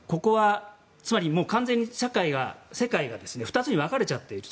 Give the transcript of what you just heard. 完全に世界が２つに分かれちゃっている。